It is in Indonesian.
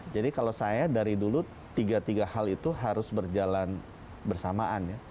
jadi kalau saya dari dulu tiga tiga hal itu harus berjalan bersamaan